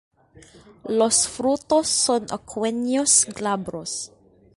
Los frutos son aquenios glabros.